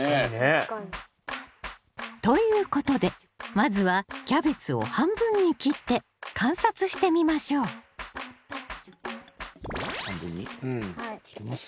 確かに。ということでまずはキャベツを半分に切って観察してみましょう半分に切ります。